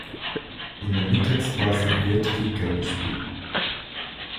In der Mittagspause wird Kicker gespielt.